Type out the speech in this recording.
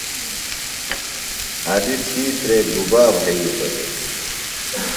علی ڇِھیترے گُبا بھئِیتوۡ دےۡ؟